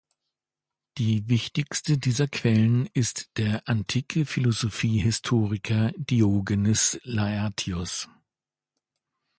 Die wichtigste dieser Quellen ist der antike Philosophiehistoriker Diogenes Laertios.